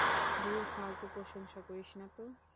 ধুর ফালতু প্রশংসা করিস না তো।